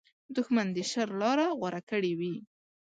دښمن د شر لاره غوره کړې وي